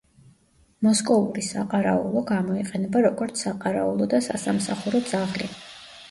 მოსკოვური საყარაულო გამოიყენება როგორც საყარაულო და სასამსახურო ძაღლი.